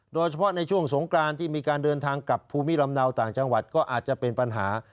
โดยเฉพาะในช่วงสงกรานที่มีการเดินทางกับภูมิลำเนาต่างจังหวัดก็อาจจะเป็นปัญหา